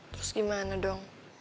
terus gimana dong